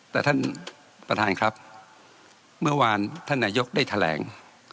แต่ท่านประธานครับเมื่อวานท่านนายกได้แถลง